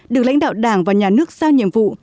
được lãnh đạo đảng và nhà nước sao nhiệm vụ